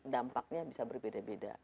dampaknya bisa berbeda beda